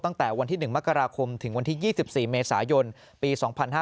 ตั้งแต่วันที่๑มกราคมถึงวันที่๒๔เมษายนปี๒๕๕๙